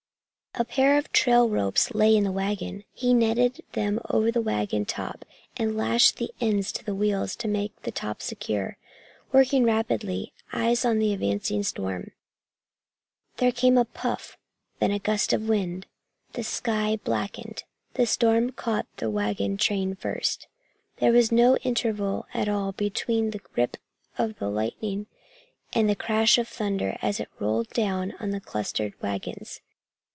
A pair of trail ropes lay in the wagon. He netted them over the wagon top and lashed the ends to the wheels to make the top securer, working rapidly, eyes on the advancing storm. There came a puff, then a gust of wind. The sky blackened. The storm caught the wagon train first. There was no interval at all between the rip of the lightning and the crash of thunder as it rolled down on the clustered wagons.